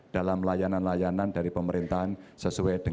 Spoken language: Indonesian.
dalam layanan layanan dari pemerintahan sesuatu yang berbeda